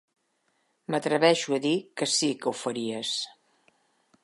M'atreveixo a dir que sí que ho faries!